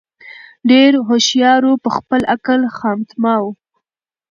ډېر هوښیار وو په خپل عقل خامتماوو